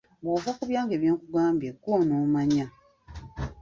Bw'ova ku byange byenkugambye ggwe onaamanya.